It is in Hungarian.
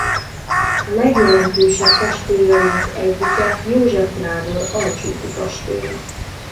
A legjelentősebb kastélyainak egyike József nádor Alcsúti kastélya.